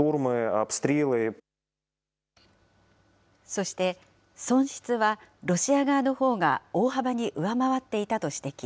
そして、損失はロシア側のほうが大幅に上回っていたと指摘。